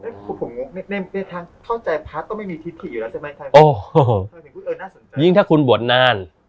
ในทางเข้าใจพระก็ไม่มีทิศถิอยู่แล้วใช่ไหมโอ้โหนี่ถ้าคุณบวชนาน